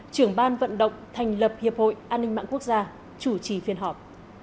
trưởng ban vận động thành lập hiệp hội an ninh mạng quốc gia chủ trì phiên họp